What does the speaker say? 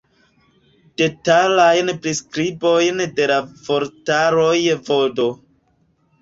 Detalajn priskribojn de la vortaroj vd.